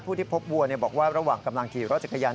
ที่พบวัวบอกว่าระหว่างกำลังขี่รถจักรยาน